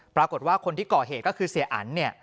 ปรากฏว่าคนที่ก่อเฮตก็คือเสียอน